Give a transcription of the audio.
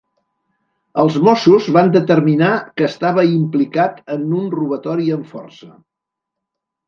Els mossos van determinar que estava implicat en un robatori amb força.